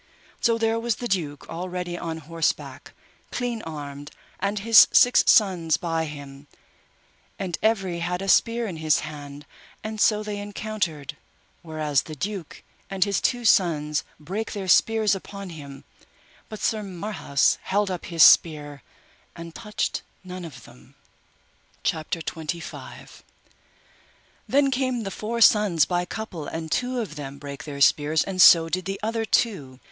So there was the duke all ready on horseback, clean armed, and his six sons by him, and everych had a spear in his hand, and so they encountered, whereas the duke and his two sons brake their spears upon him, but Sir Marhaus held up his spear and touched none of them. CHAPTER XXV. How Sir Marhaus fought with the duke and his four sons and made them to yield them. Then came the four sons by couple, and two of them brake their spears, and so did the other two.